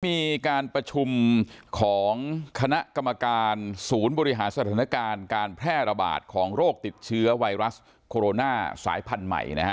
มีการประชุมของคณะกรรมการศูนย์บริหารสถานการณ์การแพร่ระบาดของโรคติดเชื้อไวรัสโคโรนาสายพันธุ์ใหม่นะฮะ